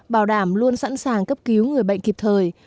bảo đảm luôn sẵn sàng cấp cứu người bệnh kịp thời